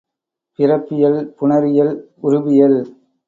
பிறப்பியல் புணரியல் உருபியல்